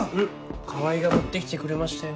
川合が持って来てくれましたよ。